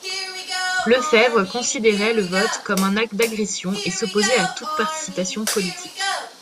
LeFevre considérait le vote comme un acte d'agression et s'opposait à toute participation politique.